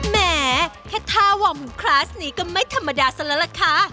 แหมแค่ท่าว่อมคลาสนี้ก็ไม่ธรรมดาซะแล้วล่ะค่ะ